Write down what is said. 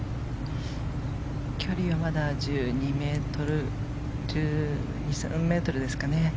距離はまだ１２１３ｍですかね。